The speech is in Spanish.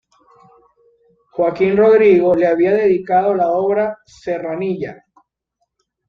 Joaquín Rodrigo le había dedicado la obra “Serranilla.